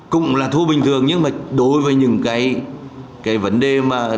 cũng là thu bình thường nhưng mà đối với những cái vấn đề mà